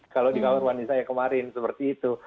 kalau di kabar mandi saya kemarin seperti itu